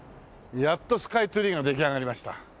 やっとスカイツリーが出来上がりました。